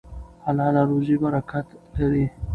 حلاله روزي برکت لري.